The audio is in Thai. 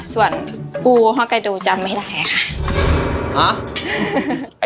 ส่วนปูฮอกไกโดจำไม่ได้ค่ะ